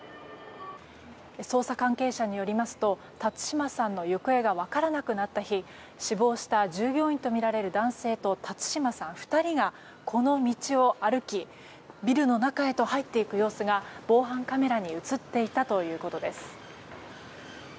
捜査関係者によりますと辰島さんの行方が分からなくなった日死亡した従業員とみられる男性と辰島さん２人がこの道を歩きビルの中へと入っていく様子が防犯カメラに映っていたということです。